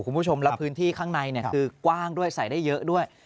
คุณผู้ชมแล้วพื้นที่ข้างในคือกว้างด้วยใส่ได้เยอะด้วย